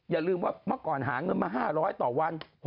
อย่าลืมว่าเมื่อก่อนหาเงินมา๕๐๐ต่อวัน